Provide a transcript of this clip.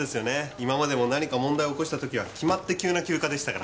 今までも何か問題起こした時は決まって急な休暇でしたから。